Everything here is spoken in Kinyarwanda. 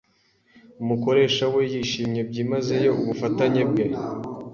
Umukoresha we yashimye byimazeyo ubufatanye bwe.